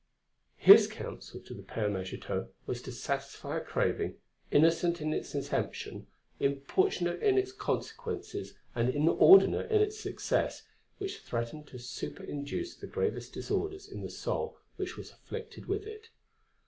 His counsel to the Père Magitot was to satisfy a craving, innocent in its inception, importunate in its consequences and inordinate in its excess, which threatened to super induce the gravest disorders in the soul which was afflicted with it.